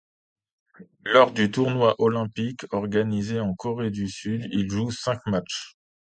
Lors du tournoi olympique organisé en Corée du Sud, il joue cinq matchs.